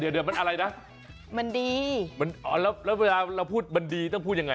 เดี๋ยวมันอะไรนะแล้วเวลาเราพูดมันดีต้องพูดยังไง